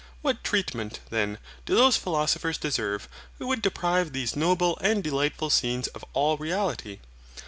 What treatment, then, do those philosophers deserve, who would deprive these noble and delightful scenes of all REALITY?